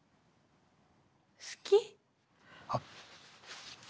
好き？あっ。